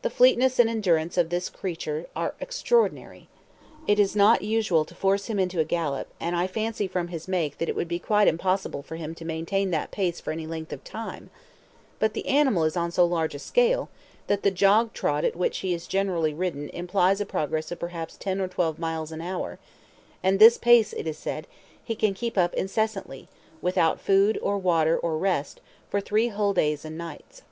The fleetness and endurance of this creature are extraordinary. It is not usual to force him into a gallop, and I fancy from his make that it would be quite impossible for him to maintain that pace for any length of time; but the animal is on so large a scale, that the jog trot at which he is generally ridden implies a progress of perhaps ten or twelve miles an hour, and this pace, it is said, he can keep up incessantly, without food, or water, or rest, for three whole days and nights.